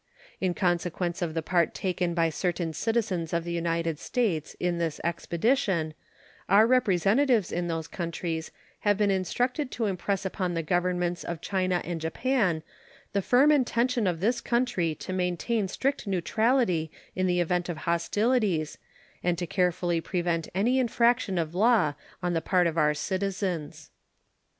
In consequence of the part taken by certain citizens of the United States in this expedition, our representatives in those countries have been instructed to impress upon the Governments of China and Japan the firm intention of this country to maintain strict neutrality in the event of hostilities, and to carefully prevent any infraction of law on the part of our citizens.